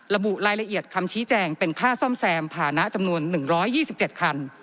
ระบุรายละเอียดคำชี้แจงเป็นค่าซ่อมแซมผ่านะจำนวน๑๒๗คัน